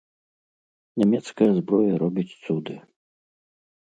Нямецкая зброя робіць цуды.